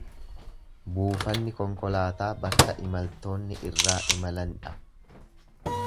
Buufanni konkolaataa bakka imaltoonni irraa imalan dha.